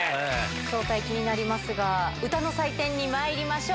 正体、気になりますが、歌の採点にまいりましょう。